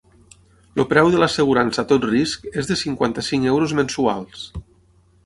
El preu de l'assegurança a tot risc és de cinquanta-cinc euros mensuals.